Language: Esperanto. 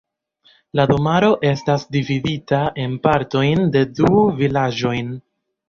La domaro estas dividita en partojn en du vilaĝojn.